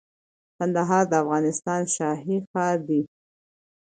کندهار د افغانستان شاهي ښار دي